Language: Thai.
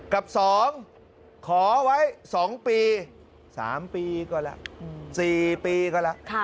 กับ๒ขอไว้๒ปี๓ปีก็แล้ว๔ปีก็แล้ว